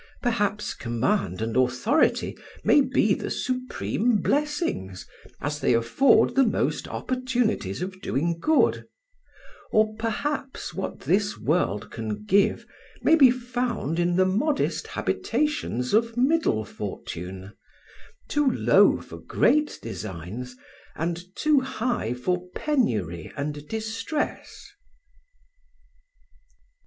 Perhaps command and authority may be the supreme blessings, as they afford the most opportunities of doing good; or perhaps what this world can give may be found in the modest habitations of middle fortune—too low for great designs, and too high for penury and distress."